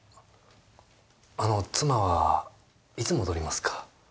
あの妻はいつ戻りますか？